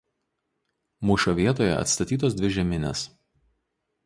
Mūšio vietoje atstatytos dvi žeminės.